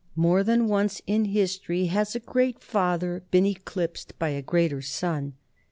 More than once in history has a great father been eclipsed by a greater son.